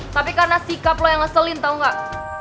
tapi karena sikap lo yang ngeselin tau gak